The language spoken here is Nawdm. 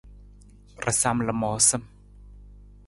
Rasam lamoosam.